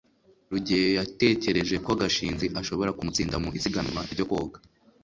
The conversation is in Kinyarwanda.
rugeyo yatekereje ko gashinzi ashobora kumutsinda mu isiganwa ryo koga